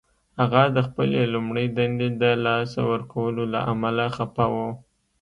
هغه د خپلې لومړۍ دندې د لاسه ورکولو له امله خفه و